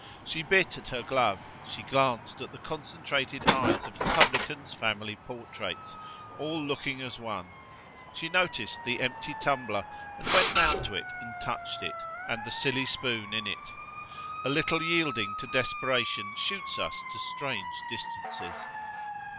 She bit at her glove; she glanced at the concentrated eyes of the publican's family portraits, all looking as one; she noticed the empty tumbler, and went round to it and touched it, and the silly spoon in it. A little yielding to desperation shoots us to strange distances!